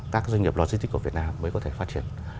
các doanh nghiệp lôi stick của việt nam mới có thể phát triển